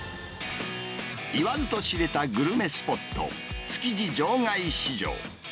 言わずと知れたグルメスポット、築地場外市場。